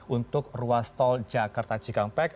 untuk ruas tol jakarta cikampek